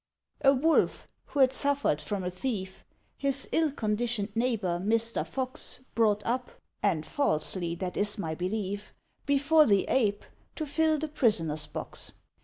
A Wolf who'd suffered from a thief, His ill conditioned neighbour Mr. Fox Brought up (and falsely, that is my belief) Before the Ape, to fill the prisoner's box.